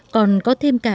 còn có thêm cả